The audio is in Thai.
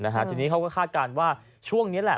ทีนี้เขาก็คาดการณ์ว่าช่วงนี้แหละ